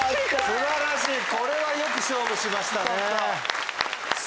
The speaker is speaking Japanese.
素晴らしいこれはよく勝負しましたね。